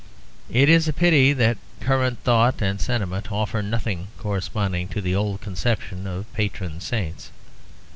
It is a pity that current thought and sentiment offer nothing corresponding to the old conception of patron saints.